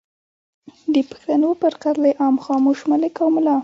د پښتنو پر قتل عام خاموش ملک او ملا